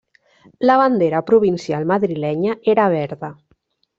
La bandera provincial madrilenya era verda.